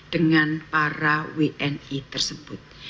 dengan para wni tersebut